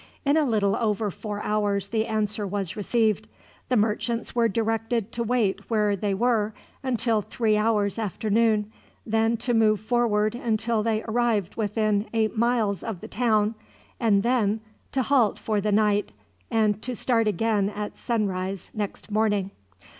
In a little over four hours the answer was received. The merchants were directed to wait where they were until three hours after noon, then to move forward until they arrived within eight miles of the town, and then to halt for the night, and to start again at sunrise next morning.